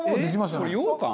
これようかん？